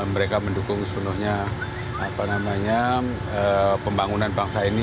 mereka mendukung sepenuhnya pembangunan bangsa ini